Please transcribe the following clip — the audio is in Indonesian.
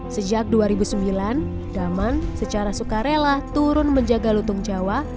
sejak dua ribu sembilan daman secara sukarela turun menjaga lutung jawa